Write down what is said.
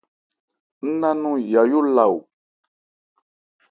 Ńná nɔn Yayó la o.